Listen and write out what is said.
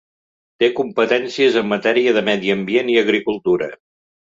Té competències en matèria de Medi Ambient i Agricultura.